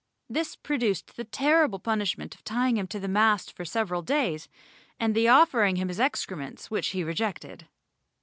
This produced the terrible punishment of tying him to the mast for several days and the offering him his excrements which he rejected.